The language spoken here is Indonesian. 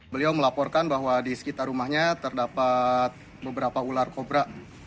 beliau melaporkan bahwa di sekitar rumahnya terdapat beberapa ular kobra